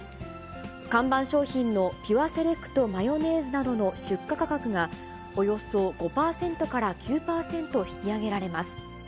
看板商品のピュアセレクトマヨネーズなどの出荷価格がおよそ５％から９％引き上げられます。